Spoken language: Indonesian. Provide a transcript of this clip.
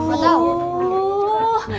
bang jan apa kabar